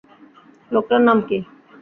লোকটার নাম কি?